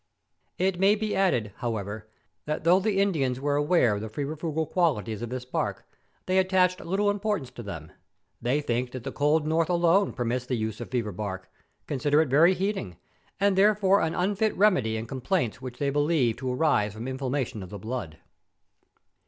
It may be added, however, that though the Indians were aware of the febrifugal qualities of this bark, they attached little importance to them— they think that the cold North alone permits the use of fever bark, consider it very heating, and therefore an unfit remedy in complaints which they believe to arise from inflammation of the blood.